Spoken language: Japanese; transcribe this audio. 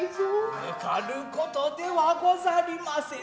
抜かることではござりませぬ。